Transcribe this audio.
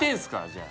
じゃあ。